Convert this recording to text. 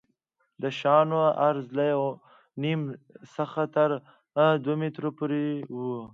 د شانو عرض له یو نیم څخه تر دوه مترو پورې وي